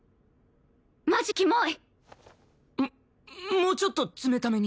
もうちょっと冷ために。